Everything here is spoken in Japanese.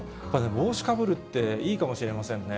帽子かぶるっていいかもしれませんね。